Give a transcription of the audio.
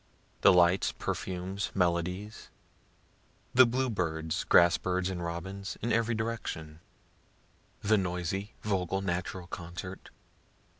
The lights, perfumes, melodies the blue birds, grass birds and robins, in every direction the noisy, vocal, natural concert.